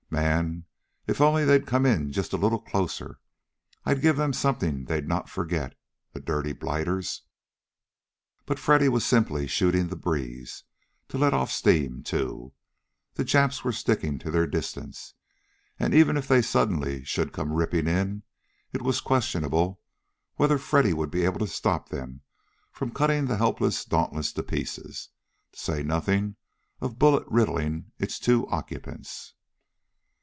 Man! If only they'd come in just a little closer. I'd give them something they'd not forget, the dirty blighters!" But Freddy was simply "shooting the breeze" to let off steam, too. The Japs were sticking to their distance, and even if they suddenly should come ripping in it was questionable whether Freddy would be able to stop them from cutting the helpless Dauntless to pieces, to say nothing of bullet riddling its two occupants.